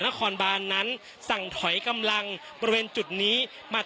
นครบานนั้นสั่งถอยกำลังบริเวณจุดนี้มา